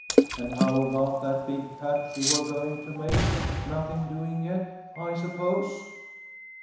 And how about that big catch you were going to make‚ÄĒnothing doing yet, I suppose?